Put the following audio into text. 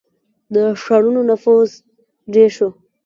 • د ښارونو نفوس ډېر شو.